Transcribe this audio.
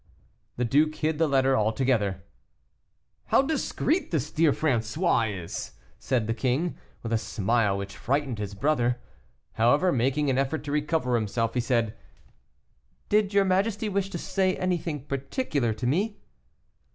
The duke hid the letter altogether. "How discreet this dear François is!" said the king, with a smile which frightened his brother. However, making an effort to recover himself, he said: "Did your majesty wish to say anything particular to me?"